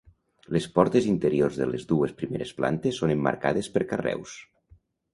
Les portes interiors de les dues primeres plantes són emmarcades per carreus.